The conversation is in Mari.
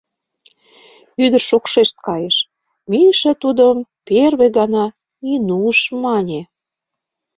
Ӱдыр шокшешт кайыш: Миша тудым первый гана «Нинуш» мане.